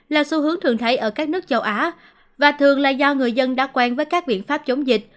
là xu hướng thường thấy ở các nước châu á và thường là do người dân đã quen với các biện pháp chống dịch